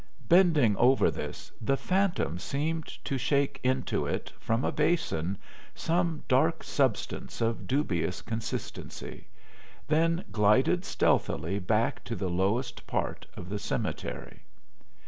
Bending over this, the phantom seemed to shake into it from a basin some dark substance of dubious consistency, then glided stealthily back to the lowest part of the cemetery.